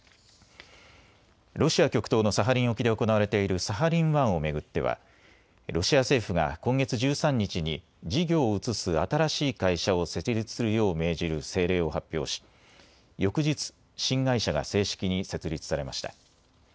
ロシア極東のサハリン沖で行われているサハリン１を巡ってはロシア政府が今月１３日に事業を移す新しい会社を設立するよう命じる政令を発表し翌日、新会社が正式に設立されました。